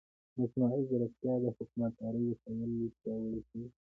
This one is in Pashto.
مصنوعي ځیرکتیا د حکومتدارۍ وسایل پیاوړي کوي.